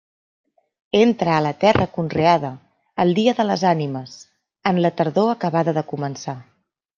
Entra a la terra conreada el dia de les Ànimes, en la tardor acabada de començar.